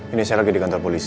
ini saya lagi di kantor polisi